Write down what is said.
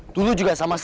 tulu juga sama sama